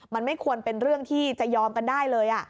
มันไม่ควรเป็นเรื่องที่จะยอมกันได้เลย